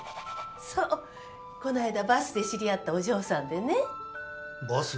そうこないだバスで知り合ったお嬢さんでねバス？